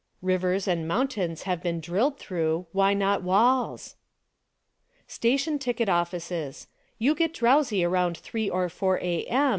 Rivers and mountains have been drilled through — why not walls? Station ticket offices : You get drowsy around three or four A. M.